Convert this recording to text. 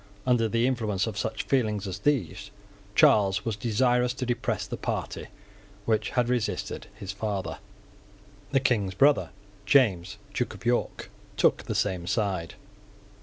Under the influence of such feelings as these Charles was desirous to depress the party which had resisted his father. The King's brother, James Duke of York, took the same side.